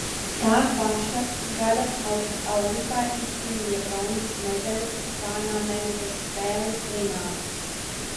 Tā paša gada augustā izcīnīja bronzas medaļu Panamerikas spēlēs Limā.